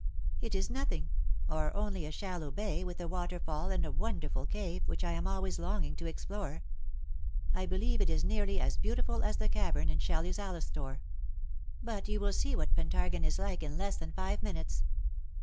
"It is nothing — or only a shallow bay, with a waterfall and a wonderful cave, which I am always longing to explore. I believe it is nearly as beauti ful as the cavern in Shelley's ^ Alastor.^ But you will see what Pentargon is like in less than five minutes.